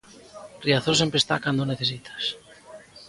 Riazor sempre está cando o necesitas.